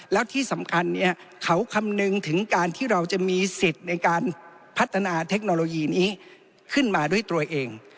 แล้วที่สำคัญเนี่ยเขาคำนึงถึงการที่เราจะมีสิทธิ์ในการพัฒนาเทคโนโลยีนี้ขึ้นมาด้วยตัวเอง